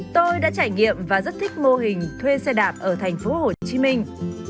tôi đã trải nghiệm và rất thích mô hình thuê xe đạp ở thành phố hồ chí minh